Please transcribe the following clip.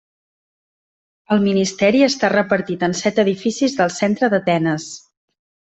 El ministeri està repartit en set edificis del centre d'Atenes.